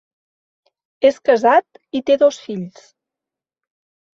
És casat i té dos fills.